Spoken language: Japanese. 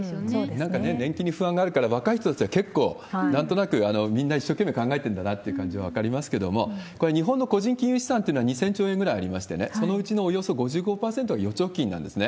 なんか年金に不安があるから若い人たちは結構、なんとなくみんな一生懸命考えてんだなって感じは分かりますけれども、これ、日本の個人金融資産というのは２０００兆円くらいありましてね、そのうちのおよそ５５％は預貯金なんですね。